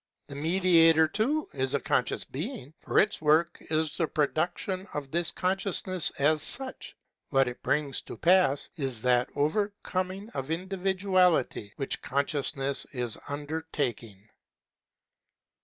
The Mediator too is a conscious Being, for its work is the production of this consciousness as such. What it brings to pass is that overcoming of individuality which consciousness is undertaking.